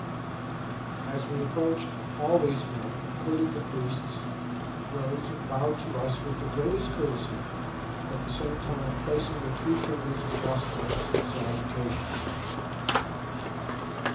As we approached, all these men, including the priests, rose and bowed to us with the greatest courtesy, at the same time placing the two fingers across the lips in salutation.